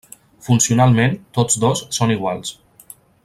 Funcionalment, tots dos són iguals.